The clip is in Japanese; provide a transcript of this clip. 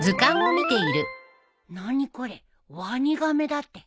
何これワニガメだって。